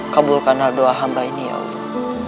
kabulkanlah doa hamba ini ya allah